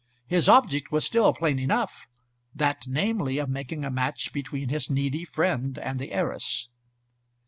His object was still plain enough, that, namely, of making a match between his needy friend and the heiress.